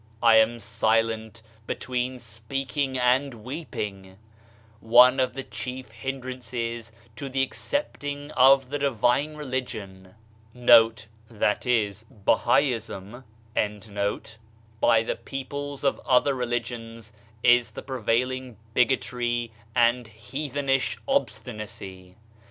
"I am silent, between speaking and weepingl" One of the chief hindrances to the accepting of the divine Religion ^ by the peoples of other religions is the prevailing bigotry and heathenish obstinacy.